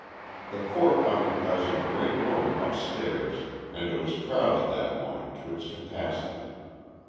The court occupies a great room upstairs, and it was crowded that morning to its capacity.